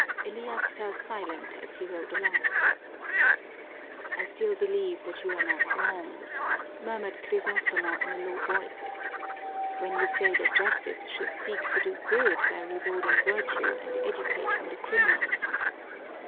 Elias fell silent as he rowed along. "I still believe that you are not wrong," murmured Crisostomo in a low voice, "when you say that justice should seek to do good by rewarding virtue and educating the criminals.